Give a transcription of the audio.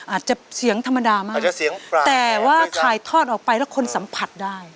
อาจจะเสียงธรรมดามากอาจจะเสียงแต่ว่าถ่ายทอดออกไปแล้วคนสัมผัสได้